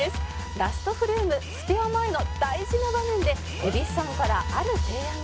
「ラストフレームスペア前の大事な場面で蛭子さんからある提案が」